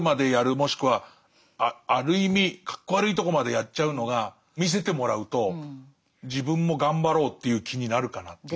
もしくはある意味かっこ悪いとこまでやっちゃうのが見せてもらうと自分も頑張ろうっていう気になるかなっていう。